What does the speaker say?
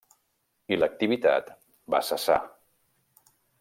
I l'activitat va cessar.